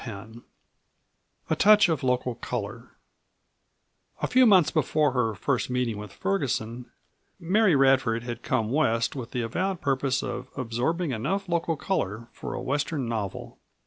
CHAPTER XI A TOUCH OF LOCAL COLOR A few months before her first meeting with Ferguson, Mary Radford had come West with the avowed purpose of "absorbing enough local color for a Western novel."